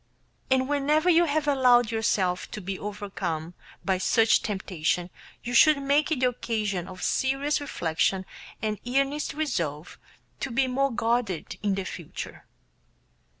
And whenever you have allowed yourself to be overcome by such temptation you should make it the occasion of serious reflection and earnest resolve to be more guarded in future.